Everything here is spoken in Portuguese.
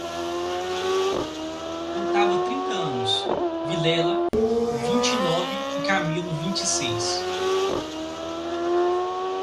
Contava trinta anos, Vilela vinte e nove e Camilo vinte e seis.